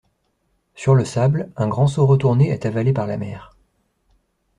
Sur le sable, un grand seau retourné est avalé par la mer.